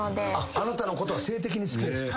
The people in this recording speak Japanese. あなたのことが性的に好きですと。